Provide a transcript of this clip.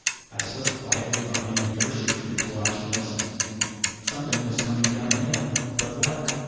I slipped quietly behind the nearest tree to watch and listen. Something was coming down the hill; but what?